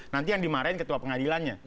nanti yang dimarahin ketua pengadilannya